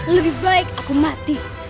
lebih baik aku mati